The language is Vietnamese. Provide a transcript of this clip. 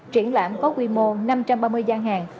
triển lãm có quy mô năm trăm ba mươi gian hàng